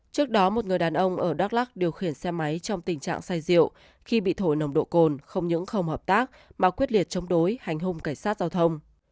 trước đó một người đàn ông ở đắk lắc điều khiển xe máy trong tình trạng say rượu khi bị thổi nồng độ cồn không những không hợp tác mà quyết liệt chống đối hành hung cảnh sát giao thông